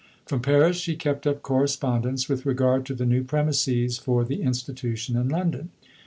From Paris she kept up correspondence with regard to the new premises for the institution in London.